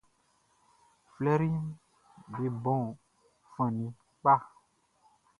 Flɛriʼm be bon fan ni kpa.